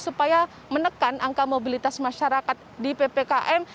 supaya menekan angka mobilitas masyarakat di ppkm